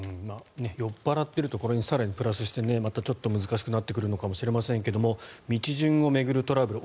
酔っ払っているとこれに更にプラスしてまたちょっと難しくなってくるのかもしれませんが道順を巡るトラブル